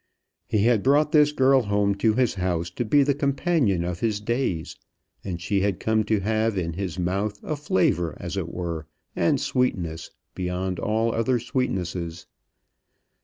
He had brought this girl home to his house to be the companion of his days, and she had come to have in his mouth a flavour, as it were, and sweetness beyond all other sweetnesses.